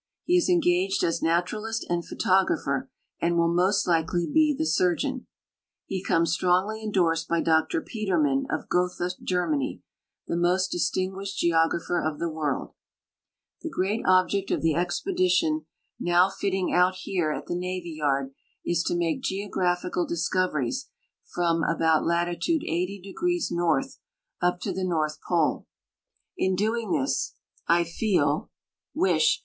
He is engaged as naturalist and photographer, and will most likely he the surgeon. He comes strongly endorsed by Dr Peterman, of Gotha, Germany, the most distinguished geographer of the world. The great object of the expedition now fitting ont here at the navy yard is to make geographical discoveries from about latitude 80° north up to the 308 CHARLES FRANCIS HALL AND JONES SOUND 309 North Pole. In doing this I feel [wish